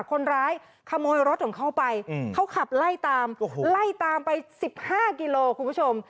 คนร้ายขโมยรถของเขาไปเขาขับไล่ตามไล่ตามไป๑๕กิโลคุณผู้ชม